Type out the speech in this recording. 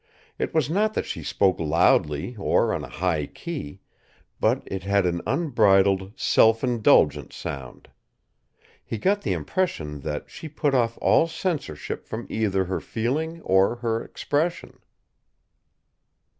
It was not that she spoke loudly or on a high key; but it had an unbridled, self indulgent sound. He got the impression that she put off all censorship from either her feeling or her expression.